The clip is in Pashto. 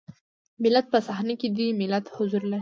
ملت په صحنه کې دی ملت حضور لري.